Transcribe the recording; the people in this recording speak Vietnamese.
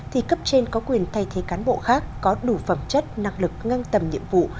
thì cấp trên có quyền thay thế cán bộ khác có đủ phẩm chất năng lực ngang tầm nhiệm vụ